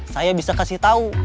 saya bisa kasih tau